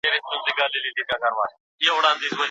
پښتو ژبې ته کار وکړي مننه